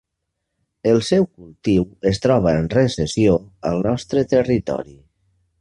El seu cultiu es troba en recessió al nostre territori.